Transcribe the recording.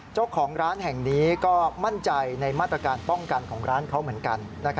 เจ้าของร้านแห่งนี้ก็มั่นใจในมาตรการป้องกันของร้านเขาเหมือนกัน